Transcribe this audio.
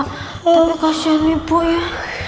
tapi kasian ibu ya